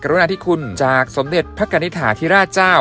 ได้รับพระมหากรณฑิคุณจากสมเด็จพระกัณฑาธิราชเจ้า